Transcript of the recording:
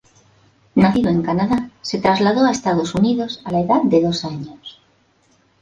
Nacido en Canadá, se trasladó a Estados Unidos a la edad de dos años.